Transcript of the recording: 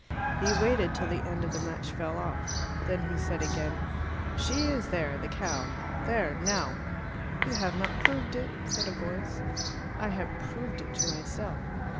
He waited till the end of the match fell off. Then he said again, "She is there, the cow. There, now." "You have not proved it," said a voice. "I have proved it to myself."